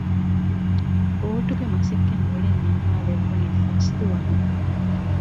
ބޯޓުގެ މަސައްކަތް މުޅީން ނިންވައި ލެއްވުނީ ފަސް ދުވަހުން